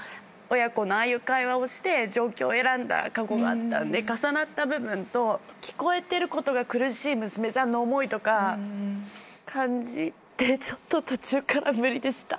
親子のああいう会話をして上京を選んだ過去があったんで重なった部分と聞こえてることが苦しい娘さんの思いとか感じてちょっと途中から無理でした。